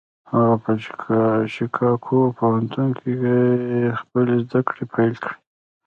هغه په شيکاګو پوهنتون کې خپلې زدهکړې پيل کړې.